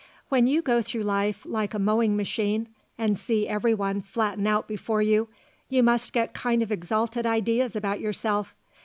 When you go through life like a mowing machine and see everyone flatten out before you, you must get kind of exalted ideas about yourself.